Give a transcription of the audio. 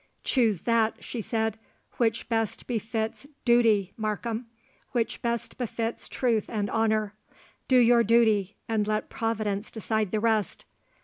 "Choose that," she said, "which best befits duty, Markham—which best befits truth and honour. Do your duty, and let Providence decide the rest.